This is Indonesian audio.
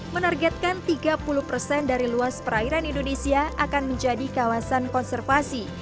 menargetkan tiga puluh persen dari luas perairan indonesia akan menjadi kawasan konservasi